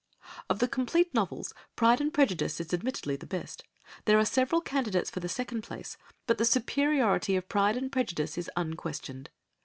Of the complete novels Pride and Prejudice is admittedly the best; there are several candidates for the second place, but the superiority of Pride and Prejudice is unquestioned.